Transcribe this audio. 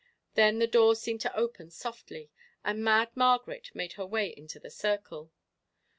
Then the door seemed to open softly and Mad Margaret made her way into the circle.